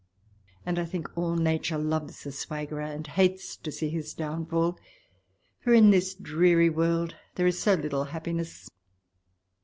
And I think all nature loves a swaggerer and hates to see his downfall. For in this dreary world there is so little happiness.